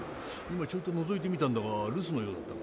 今ちょっとのぞいてみたんだが留守のようだったが。